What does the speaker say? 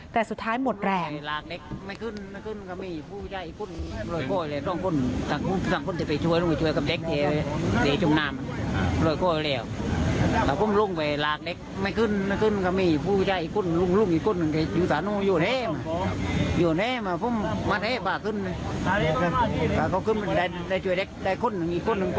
แต่สุดท้ายหมดแรง